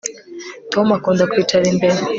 Tom akunda kwicara imbere